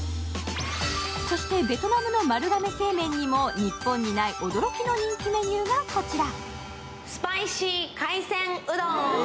そしてベトナムの丸亀製麺にも日本にない驚きの人気メニューがこちら。